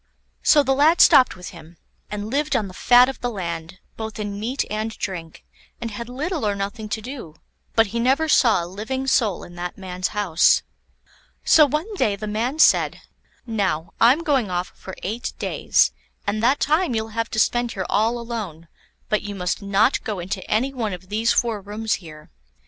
So the lad stopped with him, and lived on the fat of the land, both in meat and drink, and had little or nothing to do; but he never saw a living soul in that man's house. So one day the man said: "Now, I'm going off for eight days, and that time you'll have to spend here all alone; but you must not go into any one of these four rooms here.